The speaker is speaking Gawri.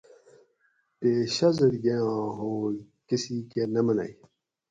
تے شازادگے آں ہوگ کۤسی کہ نہ منگ